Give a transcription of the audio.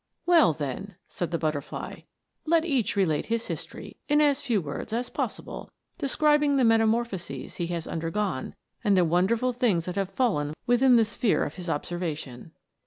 " Well, then," said the butterfly, " let each relate his history in as few words as possible, describing the metamorphoses he has undergone, and the won derful things that have fallen within the sphere of his observation."